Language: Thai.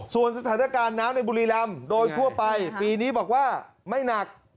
ส่วนสถานการณ์น้ำในบุรีรำโดยทั่วไปปีนี้บอกว่าไม่หนัก